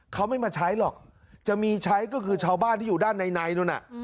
เขาไม่มาใช้หรอกจะมีใช้ก็คือชาวบ้านที่อยู่ด้านในนู้น